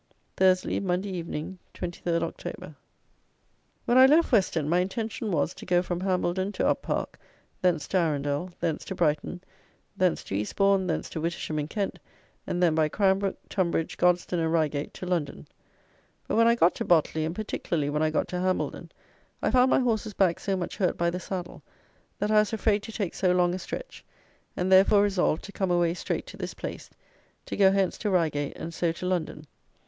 Thursley, Monday Evening, 23rd October. When I left Weston, my intention was, to go from Hambledon to Up Park, thence to Arundel, thence, to Brighton, thence to East bourne, thence to Wittersham in Kent, and then by Cranbrook, Tunbridge, Godstone and Reigate to London; but when I got to Botley, and particularly when I got to Hambledon, I found my horse's back so much hurt by the saddle, that I was afraid to take so long a stretch, and therefore resolved to come away straight to this place, to go hence to Reigate, and so to London.